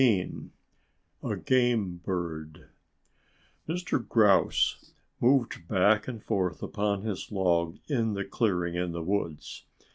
XVII A GAME BIRD Mr. Grouse moved back and forth upon his log in the clearing in the woods.